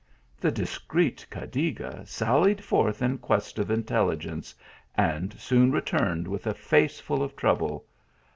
The discreet Cadiga sallied forth in quest of intelligence, and soon returned with a face full of trouble.